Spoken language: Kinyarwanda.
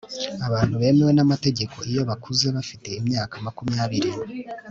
abantu bemewe n'amategeko iyo bakuze bafite imyaka makumyabiri